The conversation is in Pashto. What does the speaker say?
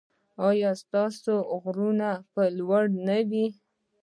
ایا ستاسو غرونه به لوړ نه وي؟